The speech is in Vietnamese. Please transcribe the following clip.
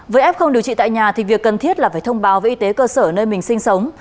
với f không điều trị tại nhà thì việc cần thiết là phải thông báo với y tế cơ sở nơi mình sinh sống